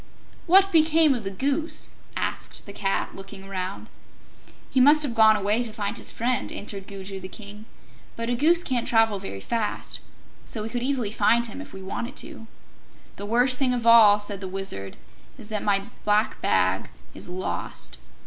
"What became of the Goose?" asked the Cat, looking around. "He must have gone away to find his friend," answered Gugu the King. "But a Goose can't travel very fast, so we could easily find him if we wanted to." "The worst thing of all," said the Wizard, "is that my Black Bag is lost.